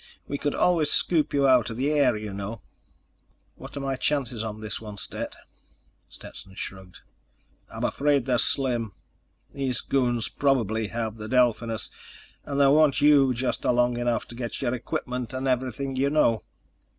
We could always scoop you out of the air, you know." "What're my chances on this one, Stet?" Stetson shrugged. "I'm afraid they're slim. These goons probably have the Delphinus, and they want you just long enough to get your equipment and everything you know."